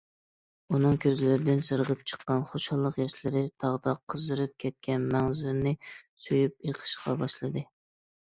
ئۇنىڭ كۆزلىرىدىن سىرغىپ چىققان خۇشاللىق ياشلىرى تاغدا قىزىرىپ كەتكەن مەڭزىنى سۆيۈپ ئېقىشقا باشلىدى.